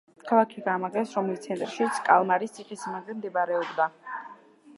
ქალაქი გაამაგრეს, რომლის ცენტრშიც კალმარის ციხესიმაგრე მდებარეობდა.